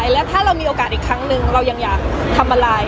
แล้วถ้าเรามีโอกาสอีกครั้งหนึ่งเรายังอยากทำอะไร